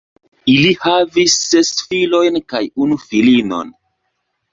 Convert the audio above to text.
Ili havis ses filojn kaj unu filinon.